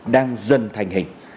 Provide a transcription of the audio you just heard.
đang dần thành hình